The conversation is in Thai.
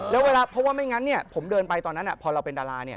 เพราะว่าไม่งั้นเนี่ยผมเดินไปตอนนั้นพอเราเป็นดาราเนี่ย